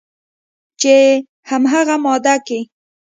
چې همغه ماده کې